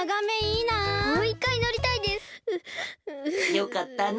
よかったの。